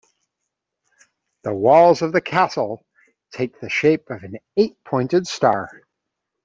The walls of the castle take the shape of an eight-pointed star.